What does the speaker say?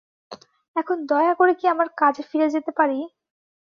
এখন দয়া করে কি আমার কাজে ফিরে যেতে পারি?